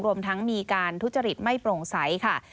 รวมทั้งมีการทุจริตไม่โปร่งใสค่ะ